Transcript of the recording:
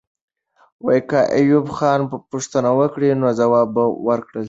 که ایوب خان پوښتنه وکړي، نو ځواب به ورکړل سي.